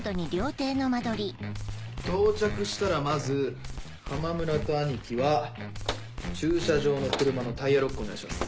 到着したらまず浜村と兄貴は駐車場の車のタイヤロックをお願いします。